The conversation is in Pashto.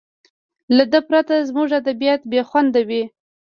له ده پرته زموږ ادبیات بې خونده وي.